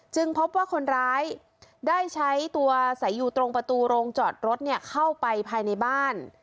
พบว่าคนร้ายได้ใช้ตัวสายอยู่ตรงประตูโรงจอดรถเข้าไปภายในบ้าน